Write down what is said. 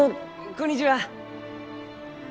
こんにちは。